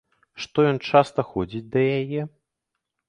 Што ён часта ходзіць да яе?